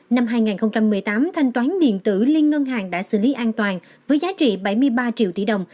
năm hai nghìn một mươi tám thanh toán điện tử liên ngân hàng đã xử lý an toàn với giá trị bảy mươi ba triệu tỷ đồng